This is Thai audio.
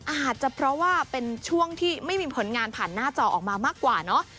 อาจจะเพราะว่าเป็นช่วงที่ไม่มีผลงานผ่านหน้าจอออกมามากกว่าเนอะ